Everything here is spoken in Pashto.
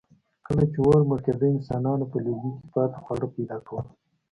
کله چې اور مړ کېده، انسانانو په لوګي کې پاتې خواړه پیدا کول.